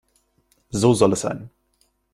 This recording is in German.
So soll es sein.